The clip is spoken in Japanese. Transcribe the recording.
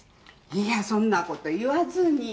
いやそんな事言わずに。